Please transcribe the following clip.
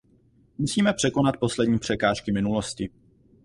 Musíme překonat poslední překážky minulosti.